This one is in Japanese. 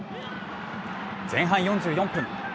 前半４４分。